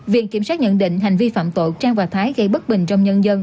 viện kiểm sát nhận định hành vi phạm tội trang và thái gây bất bình trong nhân dân